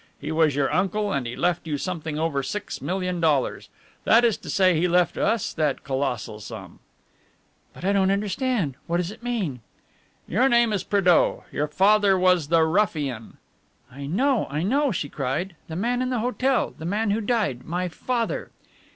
He was your uncle, and he left you something over six million dollars. That is to say he left us that colossal sum." "But I don't understand. What does it mean?" "Your name is Prédeaux. Your father was the ruffian " "I know, I know," she cried. "The man in the hotel. The man who died. My father!"